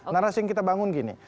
narasi yang kita bangun gini